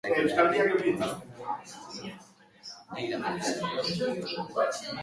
Badaezpada bi etxebizitza hustu dituzte.